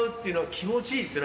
気持ちいいですね。